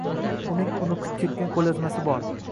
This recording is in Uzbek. Uning uniqib ketgan qoʻlyozmasi bor.